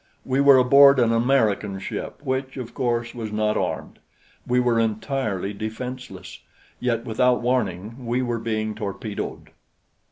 We were aboard an American ship which, of course, was not armed. We were entirely defenseless; yet without warning, we were being torpedoed.